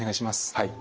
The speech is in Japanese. はい。